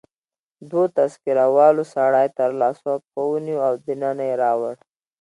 دوو تذکره والاو سړی تر لاسو او پښو ونیو او دننه يې راوړ.